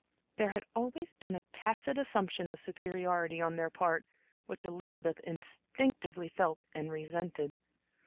There had always been a tacit assumption of superiority on their part, which Elizabeth instinctively felt and resented.